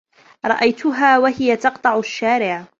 رأيتها وهي تقطع الشارع.